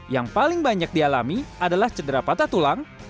yang paling banyak dialami adalah cedera patah tulang